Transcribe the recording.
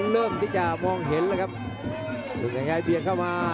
เริ่มที่จะมองเห็นแล้วครับลูกยังไงเบียดเข้ามา